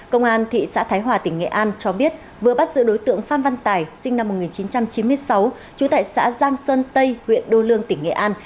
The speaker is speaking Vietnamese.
công an thị xã thái hòa tỉnh nghệ an cho biết vừa bắt giữ đối tượng phan văn tài sinh năm một nghìn chín trăm chín mươi sáu trú tại xã giang sơn tây huyện đô lương tỉnh nghệ an